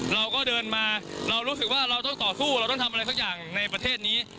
เราก็เดินมาเรารู้สึกว่าเราต้องต่อสู้เราต้องทำอะไรสักอย่างในประเทศนี้